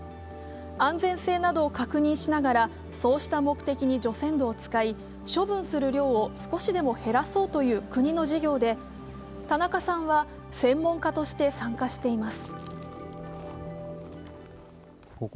安全性などを確認しながらそうした目的に除染土を使い、処分する量を少しでも減らそうという国の事業で田中さんは専門家として参加しています。